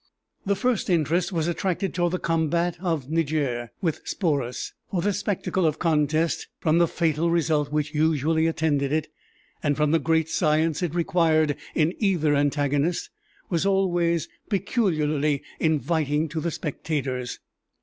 The first interest was attracted toward the combat of Niger with Sporus; for this spectacle of contest, from the fatal result which usually attended it, and from the great science it required in either antagonist, was always peculiarly inviting to the spectators.